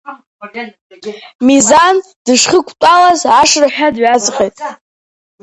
Мизан дышхықәтәалаз ашырҳәа дҩаҵҟьеит…